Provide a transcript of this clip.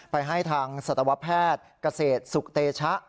ให้ทางสัตวแพทย์เกษตรสุขเตชะ